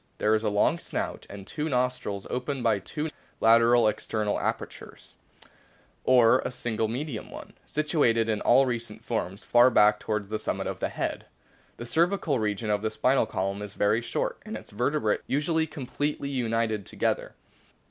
There is a long snout, and the nostrils open by two lateral external apertures or a single median one, situated in all recent forms far back towards the summit of the head. The cervical region of the spinal column is very short, and its vertebrae usually completely united together.